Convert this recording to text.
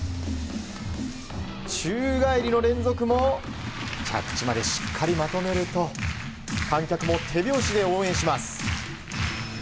宙返りの連続も着地までしっかりまとめると観客も手拍子で応援します。